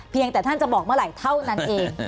แต่ท่านจะบอกเมื่อไหร่เท่านั้นเอง